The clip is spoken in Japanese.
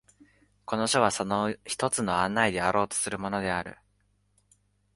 この書はその一つの案内であろうとするものである。